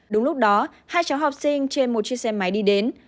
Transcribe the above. đúng lúc đó hai cháu học sinh trên một chiếc xe máy đi đến